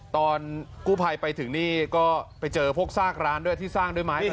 ตอนกู้ภัยไปถึงนี่ก็ไปเจอพวกซากร้านด้วยที่สร้างด้วยไม้